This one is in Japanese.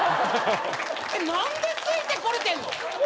何でついてこれてんの？